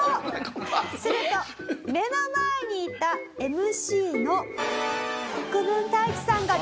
すると目の前にいたＭＣの国分太一さんがビッショビショ！